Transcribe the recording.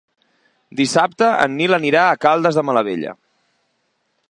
Dissabte en Nil anirà a Caldes de Malavella.